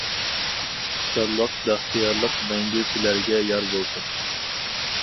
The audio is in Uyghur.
خۇشاللىق، بەختىيارلىق مەڭگۈ سىلەرگە يار بولسۇن.